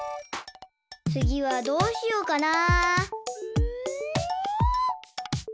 つぎはどうしようかな？